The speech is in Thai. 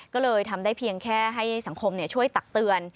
ก็เลยทำได้เพียงแค่ให้สังคมช่วยตักเตือน